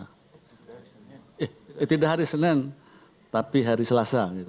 eh tidak hari senin tapi hari selasa